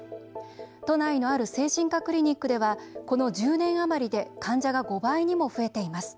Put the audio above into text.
都内のある精神科クリニックではこの１０年余りで患者が５倍にも増えています。